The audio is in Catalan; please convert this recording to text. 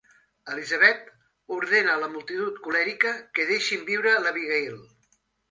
Elizabeth ordena a la multitud colèrica que deixin viure l'Abigail.